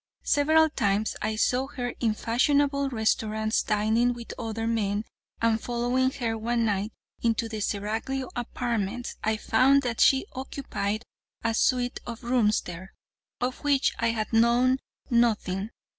Several times I saw her in fashionable restaurants dining with other men, and following her one night into the Seraglio Apartments, I found that she occupied a suite of rooms there, of which I had known nothing.